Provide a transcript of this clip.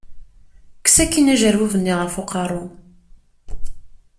Kkes akin ajerbub-nni ɣef uqerru-m.